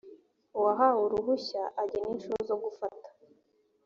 uwahawe uruhushya agena inshuro zo gufata.